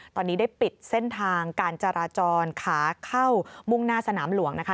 ตอนนี้ได้ปิดเส้นทางการจราจรขาเข้ามุ่งหน้าสนามหลวงนะคะ